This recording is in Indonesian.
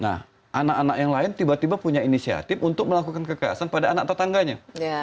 nah anak anak yang lain tiba tiba punya inisiatif untuk melakukan kekerasan pada anak tetangganya